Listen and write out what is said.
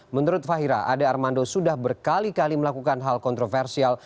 menurut fahira ade armando sudah berkali kali melakukan hal kontroversial